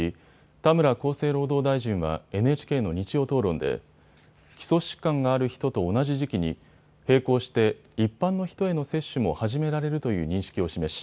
田村厚生労働大臣はＮＨＫの日曜討論で基礎疾患がある人と同じ時期に並行して一般の人への接種も始められるという認識を示し